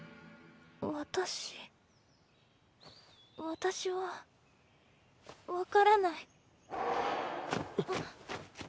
私はわからない。